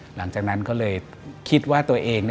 หลังจากนั้นก็เลยคิดว่าตัวเอง